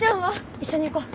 一緒に行こう。